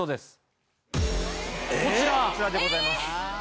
こちらでございます。